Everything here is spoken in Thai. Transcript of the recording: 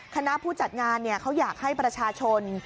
คณะผู้จัดงานเขาอยากให้ประชาชน